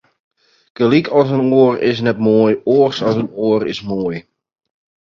Gelyk as in oar is net moai, oars as in oar is moai.